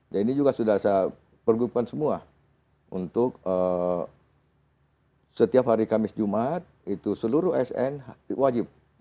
dan ini juga sudah saya pergunakan semua untuk setiap hari kamis jumat itu seluruh sn wajib